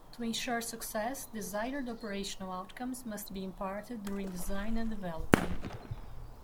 To ensure success, desired operational outcomes must be imparted during design and development.